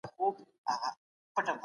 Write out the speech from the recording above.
انسان د بدبختیو په وخت کي ازمایل کیږي.